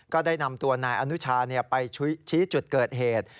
ก็ได้นำตัวนายอนุชาไปชี้จุดเกิดเหตุ